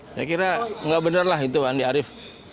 saya kira nggak bener lah itu pak andi arief